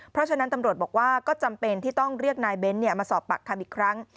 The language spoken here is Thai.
เพราะฉะนั้นตำรวจบอกว่าก็จำเป็นที่ต้องเรียกนายเบ้นมาสอบปากคำอีกครั้ง